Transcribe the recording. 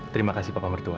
terima kasih bapak mertua